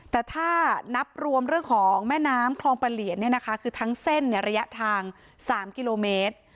แต่ถ้านับรวมเรื่องของแม่น้ำคลองประเหลียนคือทั้งเส้นระยะทาง๓กิโลเมตร